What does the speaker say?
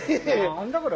何だこれ。